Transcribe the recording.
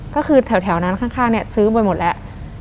ก็คือแถวนั้นข้างซื้อบนหมดแล้ว